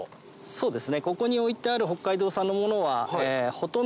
そうです。